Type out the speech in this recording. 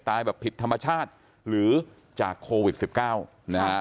แบบผิดธรรมชาติหรือจากโควิด๑๙นะฮะ